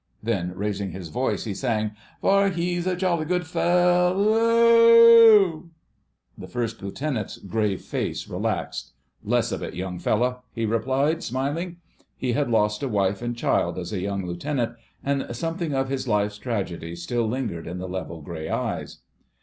Then raising his voice he sang— "For he's a jolly good fe ello o O!" The First Lieutenant's grave face relaxed. "Less of it, young fellow," he replied, smiling. He had lost a wife and child as a young lieutenant, and something of his life's tragedy still lingered in the level grey eyes.